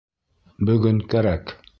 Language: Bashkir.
Бөгөн кәрәк.